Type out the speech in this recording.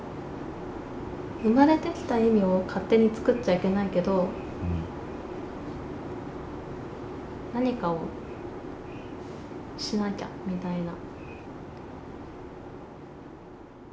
生まれてきた意味を勝手に作っちゃいけないけど、何かをしなきゃみたいな。